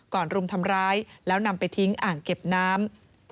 รุมทำร้ายแล้วนำไปทิ้งอ่างเก็บน้ำ